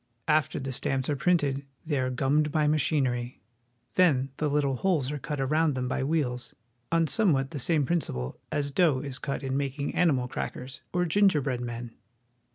After the stamps are printed they are gummed by machinery. Then the little holes are cut around them by wheels, on somewhat the same principle as dough is cut in making animal crackers or gingerbread men.